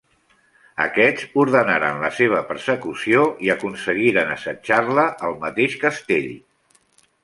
Aquests ordenaren la seva persecució i aconseguiren assetjar-la al mateix castell.